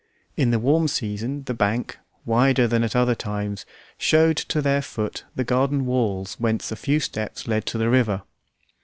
In the warm season the bank, wider than at other times, showed to their foot the garden walls whence a few steps led to the river.